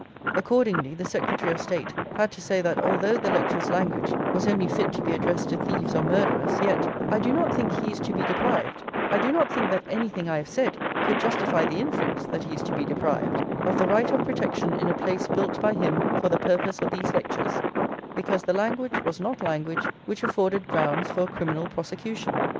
Accordingly, the Secretary of State had to say that although the lecturer's language was "only fit to be addressed to thieves or murderers," yet, "I do not think he is to be deprived, I do not think that anything I have said could justify the inference that he is to be deprived, of the right of protection in a place built by him for the purpose of these lectures; because the language was not language which afforded grounds for a criminal prosecution."